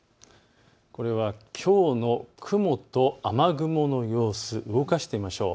これはきょうの雲と雨雲の様子、動かしてみましょう。